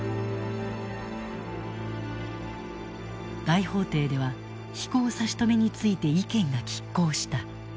大法廷では飛行差し止めについて意見が拮抗した。